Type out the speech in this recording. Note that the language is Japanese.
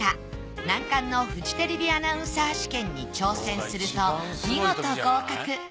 難関のフジテレビアナウンサー試験に挑戦すると見事合格。